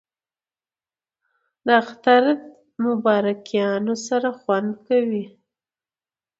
د اختر مبارکیانو سره خوند کوي